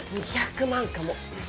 ２００万かも？